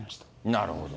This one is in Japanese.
なるほど。